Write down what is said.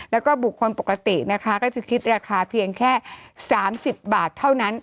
แล้วก็บุคคลปกตินะคะก็จะคิดราคาเพียงแค่๓๐บาทเท่านั้น